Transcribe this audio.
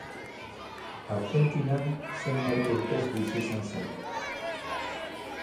Argentinan zenbait urtez bizi izan zen.